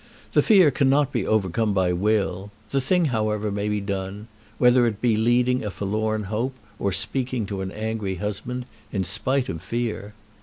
The fear cannot be overcome by will. The thing, however, may be done, whether it be leading a forlorn hope, or speaking to an angry husband, in spite of fear.